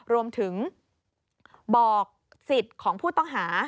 รวมถึงบอกสิทธิ์ของผู้ต้องหา